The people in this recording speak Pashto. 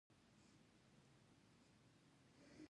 ځکه چې د دوي پۀ ديوان کې